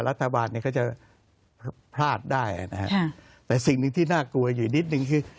รัฐบาลเนี่ยก็จะพลาดได้นะครับแต่สิ่งหนึ่งที่น่ากลัวอยู่นิดนึงคือ